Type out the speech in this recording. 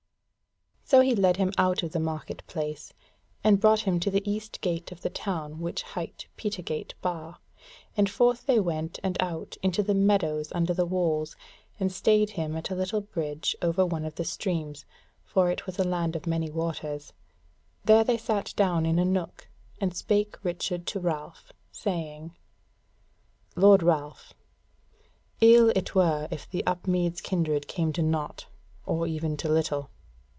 So he led him out of the market place, and brought him to the east gate of the town which hight Petergate Bar, and forth they went and out into the meadows under the walls, and stayed him at a little bridge over one of the streams, for it was a land of many waters; there they sat down in a nook, and spake Richard to Ralph, saying: "Lord Ralph, ill it were if the Upmeads kindred came to naught, or even to little.